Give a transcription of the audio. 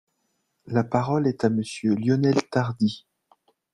La parole est à Monsieur Lionel Tardy.